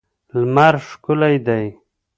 لمر ښکلی دی.